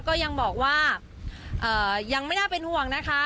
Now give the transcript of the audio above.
ก็ยังบอกว่ายังไม่น่าเป็นห่วงนะคะ